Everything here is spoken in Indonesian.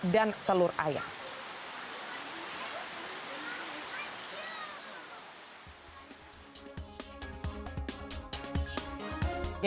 dan telur ayam